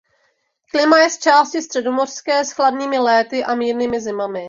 Klima je zčásti středomořské s chladnými léty a mírnými zimami.